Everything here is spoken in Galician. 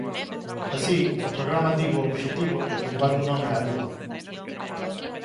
Así o programa tivo o obxectivo de levar un home á Lúa.